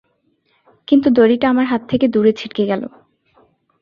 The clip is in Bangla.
কিন্তু দড়িটা আমার হাত থেকে দূরে ছিটকে গেল।